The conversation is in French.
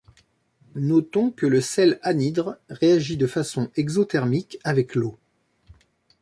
Notons que le sel anhydre réagit de façon exothermique avec l'eau.